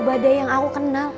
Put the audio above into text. badai yang aku kenal